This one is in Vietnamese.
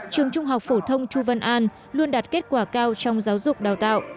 trường trung học phổ thông chu văn an luôn đạt kết quả cao trong giáo dục đào tạo